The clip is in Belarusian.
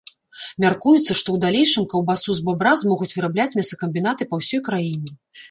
Мяркуецца, што ў далейшым каўбасу з бабра змогуць вырабляць мясакамбінаты па ўсёй краіне.